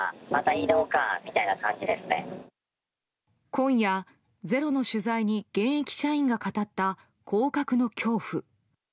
今夜、「ｚｅｒｏ」の取材に現役社員が語った降格の恐怖。